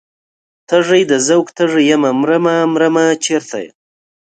تږی د ذوق تږی یمه مرمه مرمه چرته یې؟